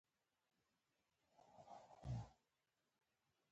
زه به له دې حالت سره کله هم ځان آموخته نه کړم.